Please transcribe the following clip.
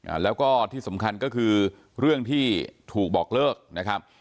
อ่าแล้วก็ที่สำคัญก็คือเรื่องที่ถูกบอกเลิกนะครับ